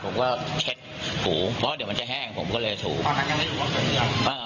ผมก็เช็ดถูกเพราะว่าเดี๋ยวมันจะแห้งผมก็เลยถูก